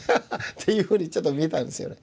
ていうふうにちょっと見えたんですよね。